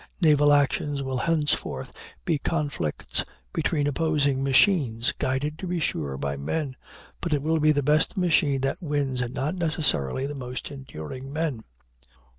Naval actions will henceforth be conflicts between opposing machines, guided, to be sure, by men; but it will be the best machine that wins, and not necessarily the most enduring men.